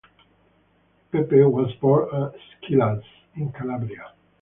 Pepe was born at Squillace in Calabria.